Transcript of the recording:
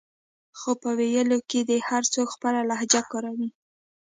خو په ویلو کې دې هر څوک خپله لهجه کاروي